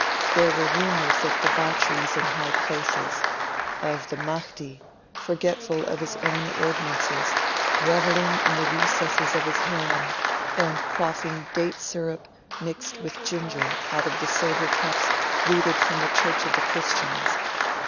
There were rumours of debaucheries in high places of the Mahdi, forgetful of his own ordinances, revelling in the recesses of his harem, and quaffing date syrup mixed with ginger out of the silver cups looted from the church of the Christians.